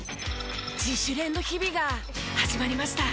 自主練の日々が始まりました。